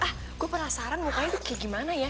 ah gue penasaran mukanya itu kayak gimana ya